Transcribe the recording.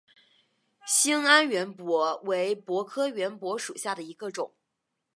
兴安圆柏为柏科圆柏属下的一个种。